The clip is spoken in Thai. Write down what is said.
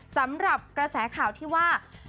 สำหรับกระแสข่าวที่ว่า